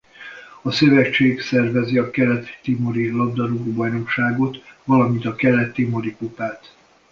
A szövetség szervezi a Kelet-timori labdarúgó-bajnokságot valamint a Kelet-timori kupát.